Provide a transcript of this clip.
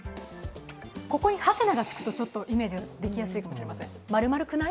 ここに「？」がつくとイメージができやすくなるかもしれません。